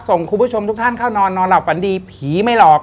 คุณผู้ชมทุกท่านเข้านอนนอนหลับฝันดีผีไม่หลอก